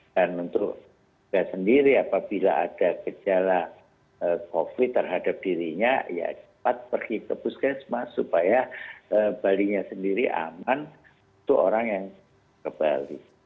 dan untuk dia sendiri apabila ada gejala covid sembilan belas terhadap dirinya ya cepat pergi ke puskesmas supaya balinya sendiri aman untuk orang yang ke bali